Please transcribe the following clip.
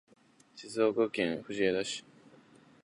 静岡県藤枝市